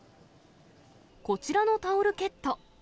こちらのタオルケット。